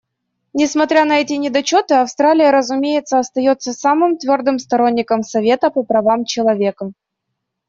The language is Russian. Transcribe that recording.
Несмотря на эти недочеты, Австралия, разумеется, остается самым твердым сторонником Совета по правам человека.